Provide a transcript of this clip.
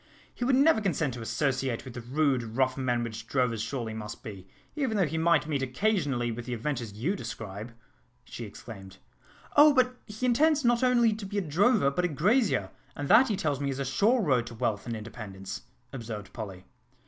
"He would never consent to associate with the rude, rough men which drovers surely must be, even though he might meet occasionally with the adventures you describe," she exclaimed. "Oh! but he intends not only to be a drover, but a grazier; and that, he tells me, is a sure road to wealth and independence," observed Polly.